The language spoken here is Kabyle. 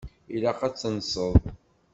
Ilaq ad tenseḍ.